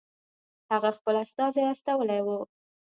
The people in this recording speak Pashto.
هغه خپل استازی استولی وو.